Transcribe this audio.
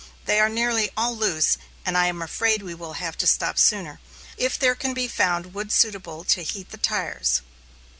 They are nearly all loose, and I am afraid we will have to stop sooner, if there can be found wood suitable to heat the tires.